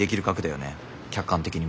客観的に見ても。